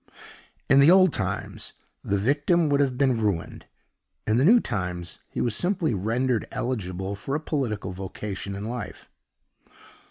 In the old times the victim would have been ruined, in the new times he was simply rendered eligible for a political vocation in life.